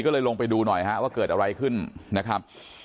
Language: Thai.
ก็เลยลงไปดูหน่อยฮะว่าเกิดอะไรขึ้นนะครับ